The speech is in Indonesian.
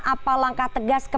apa langkah tegas kembali